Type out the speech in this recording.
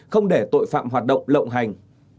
không để tội phạm hoạt động lộng hành